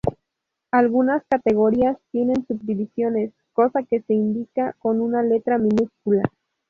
Algunas categorías tienen subdivisiones, cosa que se indica con una letra minúscula.